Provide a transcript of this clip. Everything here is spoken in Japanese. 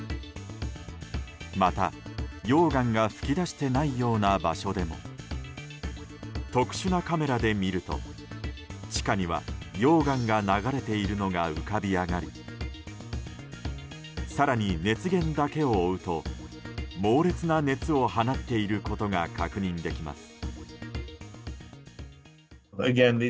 また溶岩が噴き出していないような場所でも特殊なカメラで見ると地下には、溶岩が流れているのが浮かび上がり更に熱源だけを追うと猛烈な熱を放っていることが確認できます。